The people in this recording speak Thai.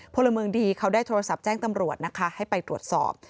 พลเมืองดีเขาได้โทรศัพท์แจ้งตำรวจนะคะให้ไปตรวจสอบ